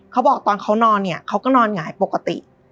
เขาบอกตอนเขานอนเนี่ยเขาก็นอนหงายปกติ